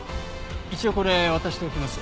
一応これ渡しておきます。